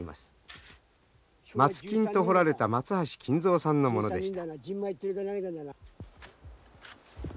「松金」と彫られた松橋金蔵さんのものでした。